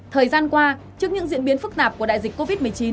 thời gian qua trước những diễn biến phức tạp của đại dịch covid một mươi chín